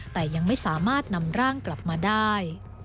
แต่ยังไม่สามารถนำร่างกลับมาได้